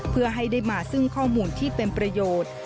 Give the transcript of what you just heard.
เพื่อให้ได้มาซึ่งข้อมูลที่เป็นประโยชน์